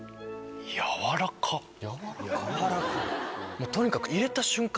もうとにかく入れた瞬間